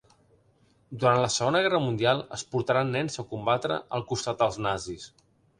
Durant la Segona Guerra mundial, es portaran nens a combatre al costat dels nazis.